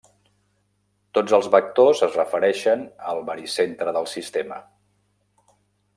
Tots els vectors es refereixen al baricentre del sistema.